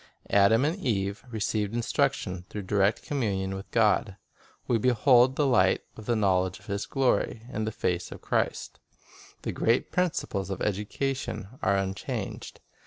Adam and Eve received instruction through direct communion with God; we behold "the light of the knowledge of His glory" in the face of Christ. The great principles of education are unchanged.